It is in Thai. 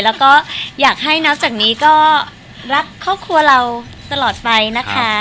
แล้วก็อยากให้นับจากนี้ก็รักครอบครัวเราตลอดไปนะคะ